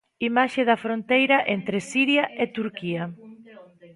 Imaxe da fronteira entre Siria e Turquía.